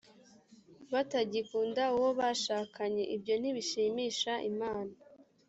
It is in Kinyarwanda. batagikunda uwo bashakanye. ibyo ntibishimisha imana